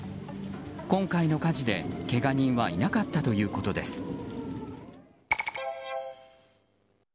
今回の火事で、けが人はいなかったということです。